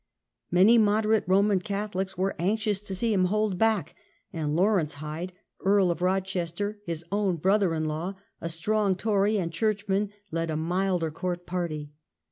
Many moderate Roman Catholics were anxious to see him hold back, and Lawrence Hyde, Earl of Rochester, his own brother in law, a strong Tory and churchman, led a milder court party.